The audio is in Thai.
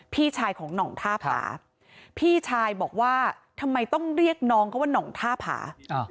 พี่ชายของหน่องท่าผาพี่ชายบอกว่าทำไมต้องเรียกน้องเขาว่าน่องท่าผา